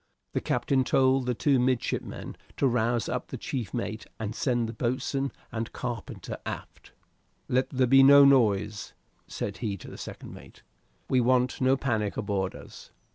The captain told the two midshipmen to rouse up the chief mate and send the boatswain and carpenter aft. "Let there be no noise," said he to the second mate, "We want no panic aboard us.